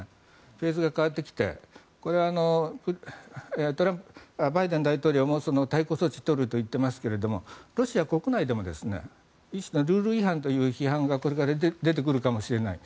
フェーズが変わってきてバイデン大統領も対抗措置を取ると言っていますがロシア国内でもルール違反という批判がこれから出てくるかもしれない。